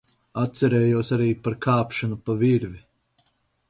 Atcerējos arī par kāpšanu pa virvi.